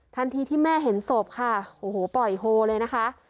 ที่แม่เห็นศพค่ะโอ้โหปล่อยโฮเลยนะคะ